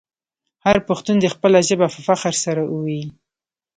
هر پښتون دې خپله ژبه په فخر سره وویې.